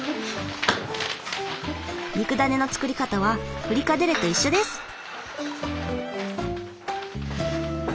肉ダネの作り方はフリカデレと一緒です。